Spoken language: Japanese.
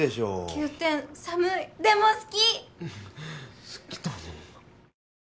９点寒いでも好き！